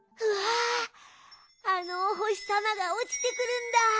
うわああのおほしさまがおちてくるんだ。